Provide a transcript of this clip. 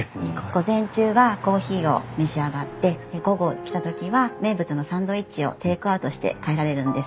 午前中はコーヒーを召し上がって午後来た時は名物のサンドイッチをテイクアウトして帰られるんです。